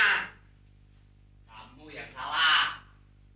kamu yang salah